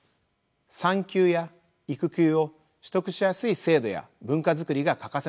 産休や育休を取得しやすい制度や文化づくりが欠かせません。